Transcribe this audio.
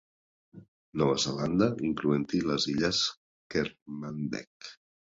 Nova Zelanda, incloent-hi les Illes Kermadec.